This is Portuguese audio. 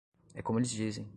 É como eles dizem.